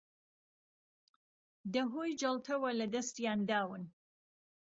ەهۆی جەڵتەوە لەدەستیان داون